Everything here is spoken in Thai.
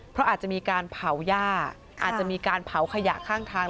เพราะอาจจะมีการเผาย่าอาจจะมีการเผาขยะข้างทาง